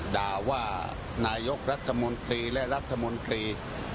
ด่าว่านายกรัฐมนตรีและรัฐมนตรี